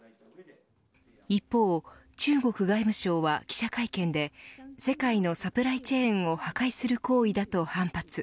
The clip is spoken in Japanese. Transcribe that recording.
一方、中国外務省は記者会見で世界のサプライチェーンを破壊する行為だと反発。